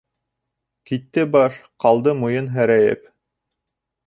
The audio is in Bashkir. Китте баш, ҡалды муйын һерәйеп.